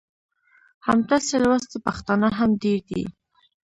همداسې لوستي پښتانه هم ډېر دي.